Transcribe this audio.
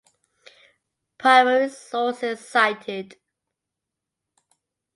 Primary sources cited